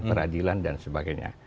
peradilan dan sebagainya